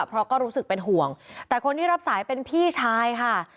เพราะก็รู้สึกเป็นห่วงแต่คนที่รับสายเป็นพี่ชายค่ะ